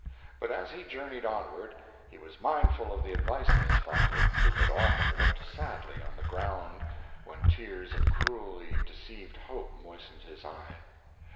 But as he journeyed onward, he was mindful of the advice of his father, who had often looked sadly on the ground when tears of cruelly deceived hope moistened his eye.